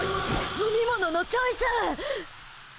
飲み物のチョイス！